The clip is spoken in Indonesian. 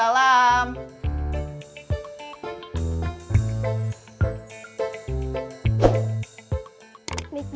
kadang dua insist do last